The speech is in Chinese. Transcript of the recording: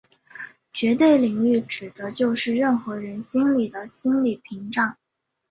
绝对领域指的就是任何人心里的心理屏障。